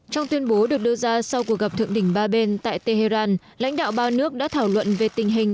trong tuyên bố được đưa ra sau cuộc gặp thượng đỉnh ba bên tại tehran lãnh đạo ba nước đã thảo luận về tình hình